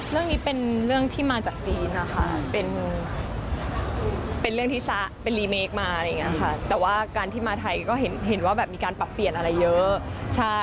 เรื่องนี้เป็นเรื่องที่มาจากจีนนะคะเป็นเรื่องที่รีเมคมาอะไรอย่างนี้ค่ะแต่ว่าการที่มาไทยก็เห็นว่าแบบมีการปรับเปลี่ยนอะไรเยอะ